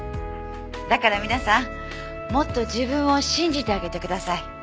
だから皆さんもっと自分を信じてあげてください。